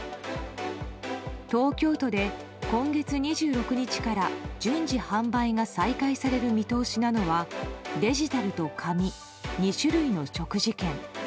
東京都で今月２６日から順次販売が再開される見通しなのはデジタルと紙２種類の食事券。